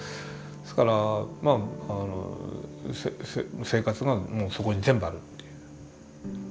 ですからまあ生活がもうそこに全部あるという。